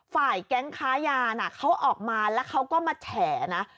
แก๊งค้ายาน่ะเขาออกมาแล้วเขาก็มาแฉนะ